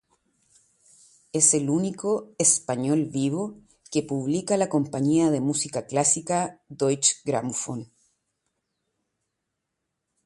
Es el único español vivo que publica la compañía de música clásica Deutsche Grammophon.